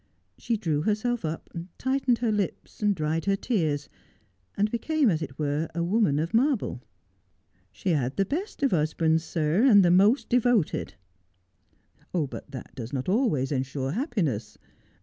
She drew herself up, tightened her lips, dried her tears, and became as it were a woman of marble. ' She had the best of husbands, sir, and the most devoted.' ' But that does not always ensure happiness.